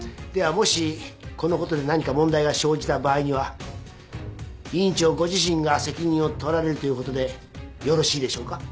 ではもしこのことで何か問題が生じた場合には院長ご自身が責任を取られるということでよろしいでしょうか？